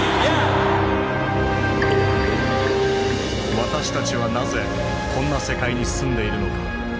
私たちはなぜこんな世界に住んでいるのか。